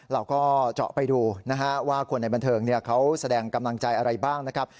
เราก็เจาะไปดูนะฮะว่าคนในบันเทิงเขาแสดงกำลังใจอะไรบ้างนะครับ